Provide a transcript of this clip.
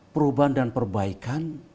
perubahan dan perbaikan